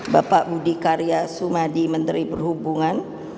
bapak budi karya sumadi menteri perhubungan